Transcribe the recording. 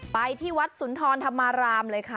ไปที่วัดสุนทรธรรมารามเลยค่ะ